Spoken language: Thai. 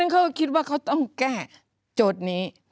เขาคิดว่าเขาต้องแก้โจทย์นี้